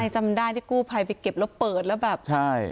จำได้ที่กู้ภัยไปเก็บแล้วเปิดแล้วแบบใช่